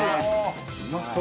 うまそう。